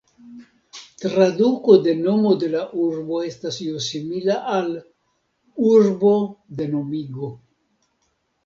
Traduko de nomo de la urbo estas io simila al "urbo de nomigo".